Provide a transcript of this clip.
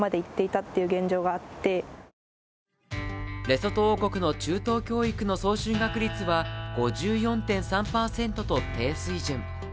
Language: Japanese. レソト王国の中等教育の総就学率は５４．３％と低水準。